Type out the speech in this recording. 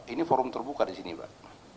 ini forum terbuka di sini pak